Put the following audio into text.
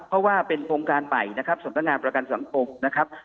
เพราะว่าเป็นโครงการใหม่นะครับสำนักงานประกันสังคมนะครับ